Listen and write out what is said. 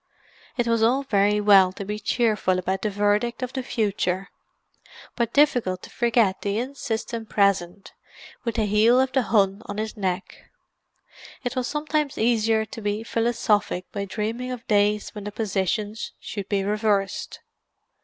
It was all very well to be cheerful about the verdict of the future, but difficult to forget the insistent present, with the heel of the Hun on his neck. It was sometimes easier to be philosophic by dreaming of days when the positions should be reversed.